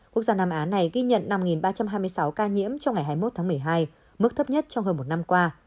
quốc gia nam á này ghi nhận năm ba trăm hai mươi sáu ca nhiễm trong ngày hai mươi một tháng một mươi hai mức thấp nhất trong hơn một năm qua